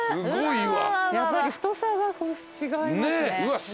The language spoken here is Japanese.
やっぱり太さが違いますね。